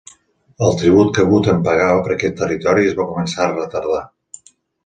El tribut que Bhutan pagava per aquest territori es va començar a retardar.